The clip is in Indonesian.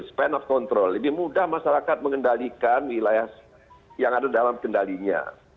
span of control lebih mudah masyarakat mengendalikan wilayah yang ada dalam kendalinya